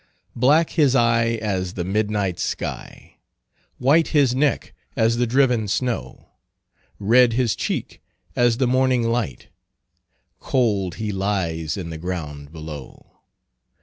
"Black his eye as the midnight sky. White his neck as the driven snow, Red his cheek as the morning light;— Cold he lies in the ground below.